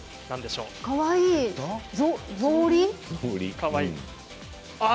かわいい。